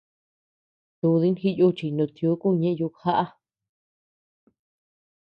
Dúdi jiyuchiy nutiukuu ñeʼe yukjaʼa.